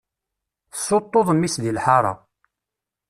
Tessuṭṭuḍ mmi-s di lḥaṛa.